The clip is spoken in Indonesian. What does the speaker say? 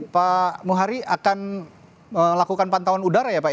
pak muhari akan melakukan pantauan udara ya pak